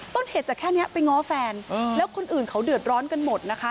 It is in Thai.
ต้นเหตุจากแค่นี้ไปง้อแฟนแล้วคนอื่นเขาเดือดร้อนกันหมดนะคะ